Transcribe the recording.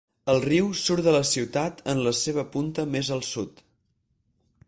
El riu surt de la ciutat en la seva punta més al sud.